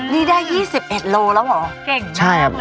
นี่ได้๒๑โลเหรอเหรอ